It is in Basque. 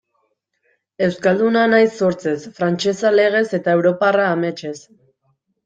Euskalduna naiz sortzez, frantsesa legez, eta europarra ametsez.